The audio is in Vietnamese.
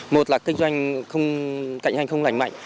một là kinh doanh cạnh hành không lành mạnh